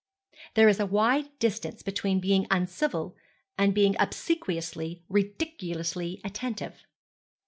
'There is a wide distance between being uncivil and being obsequiously, ridiculously attentive.'